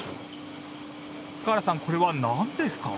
塚原さんこれはなんですか？